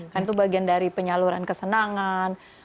kan itu bagian dari penyaluran kesenangan